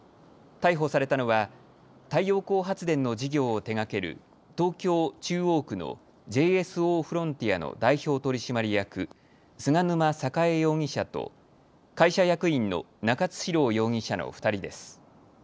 逮捕されたのは太陽光発電の事業を手がける東京中央区のＪＳＯフロンティアの代表取締役、菅沼栄容疑者と会社役員の中津史郎容疑者の２人です。